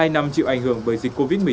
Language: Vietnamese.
hai năm chịu ảnh hưởng bởi dịch vụ này